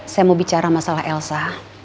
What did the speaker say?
saya mau bicara masalah elsa